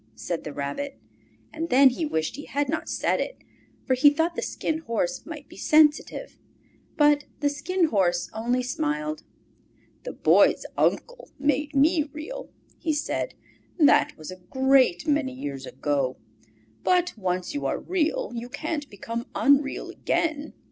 said the Rabbit. And then he wished he had not said it, for he thought the Skin Horse might be sensitive. But the Skin Horse only smiled. The Skin Horse Tells His Story "The Boy's Uncle made me Real," he said. "That was a great many years ago; but once you are Real you can't become unreal again.